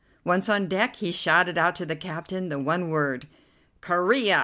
Once on deck he shouted out to the captain the one word: "Corea!"